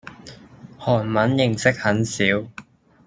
韓文認識很少